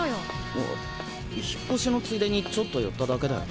あ引っ越しのついでにちょっと寄っただけだよ。